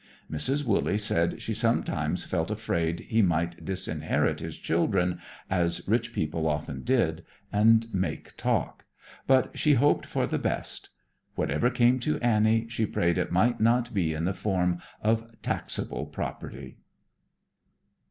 Mrs. Wooley said she sometimes felt afraid he might disinherit his children, as rich people often did, and make talk; but she hoped for the best. Whatever came to Annie, she prayed it might not be in the form of taxable property.